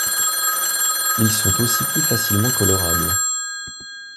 Ils sont aussi plus facilement colorables.